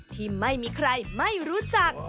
ที่ไม่มีใครไม่รู้จัก